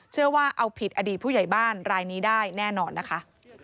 เชื่อว่าเอาผิดอดีตผู้ใหญ่บ้านรายนี้ได้แน่นอนนะคะ